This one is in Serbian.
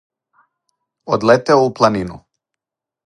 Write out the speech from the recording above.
Одлетео у планину.